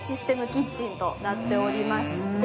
キッチンとなっておりまして。